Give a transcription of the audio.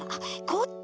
こっち？